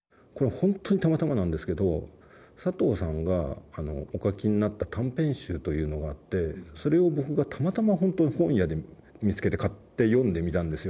本当にたまたまなんですけど佐藤さんがお書きになった短編集というのがあってそれを僕がたまたま本当に本屋で見つけて買って読んでみたんですよ。